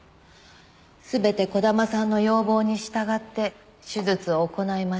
すべて児玉さんの要望に従って手術を行いました。